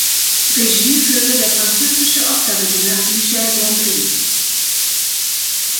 Regie führte der französische Oscargewinner Michel Gondry.